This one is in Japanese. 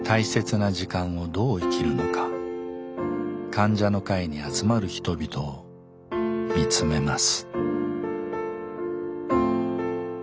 患者の会に集まる人々を見つめます。